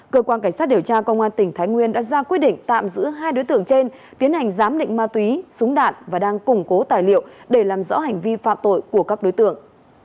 cơ quan cảnh sát điều tra công an tỉnh thái nguyên đã ra quyết định tạm giữ hai đối tượng trên tiến hành giám định ma túy súng đạn và đang củng cố tài liệu để làm rõ hành vi phạm tội của các đối tượng